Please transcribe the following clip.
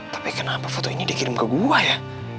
tapi kenapa foto ini dikirim ke gue ya